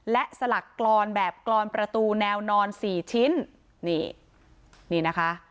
และสลักกรอนแบบกรอนประตูแนวนอน๔ชิ้น